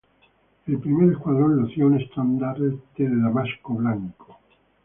El primer escuadrón lucía un estandarte de damasco blanco.